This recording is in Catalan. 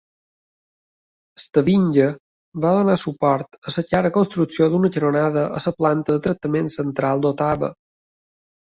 Stavinga va donar suport a la cara construcció d'una canonada a la planta de tractament central d'Ottawa.